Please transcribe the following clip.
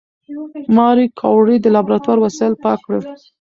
ماري کوري د لابراتوار وسایل پاک کړل.